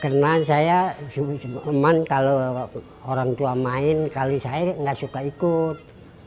karena saya teman kalau orang tua main kali saya gak suka ikut